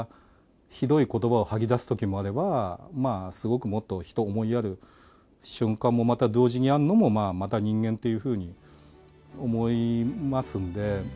ひどいことばを吐き出すときもあれば、すごくもっと人を思いやる瞬間もまた同時にあるのも、また人間というふうに思いますんで。